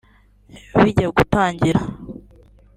Bijya gutangira